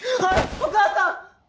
お母さん！